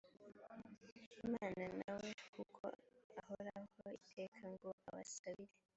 imana na we kuko ahoraho iteka ngo abasabire